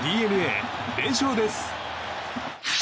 ＤｅＮＡ、連勝です。